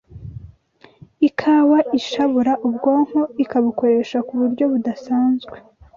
Ikawa ishabura ubwonko ikabukoresha ku buryo budasanzwe,